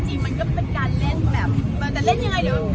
เราก็คิดไหมว่ามันฮืดมั้ย